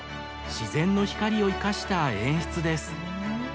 自然の光を生かした演出です。